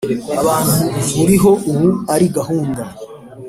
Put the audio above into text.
abantu buriho ubu ari gahunda